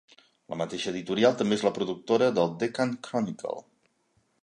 La mateixa editorial també és la productora de "Deccan Chronicle".